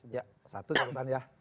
ya satu jawaban ya